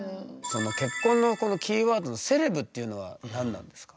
「結婚」のキーワードの「セレブ」っていうのは何なんですか？